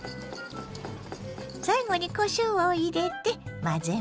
最後にこしょうを入れて混ぜます。